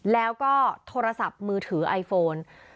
แล้วก็โทรศัพท์มือถือไอโฟน